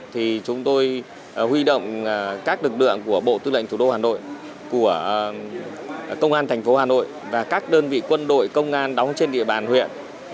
thì chúng tôi huy động các lực lượng của bộ tư lệnh thủ đô hà nội của công an thành phố hà nội và các đơn vị quân đội công an đóng trên địa bàn huyện